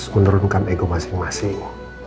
menurunkan ego masing masing